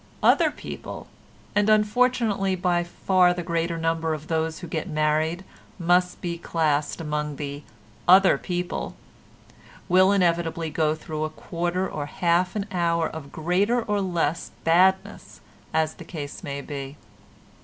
Other people, and unfortunately by far the greater number of those who get married must be classed among the "other people," will inevitably go through a quarter or half an hour of greater or less badness as the case may be.